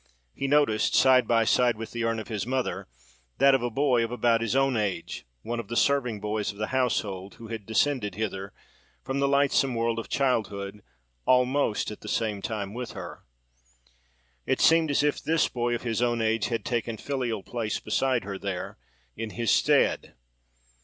He noticed, side by side with the urn of his mother, that of a boy of about his own age—one of the serving boys of the household—who had descended hither, from the lightsome world of childhood, almost at the same time with her. It seemed as if this boy of his own age had taken filial place beside her there, in his stead.